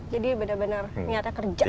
jadi benar benar nyata kerja ya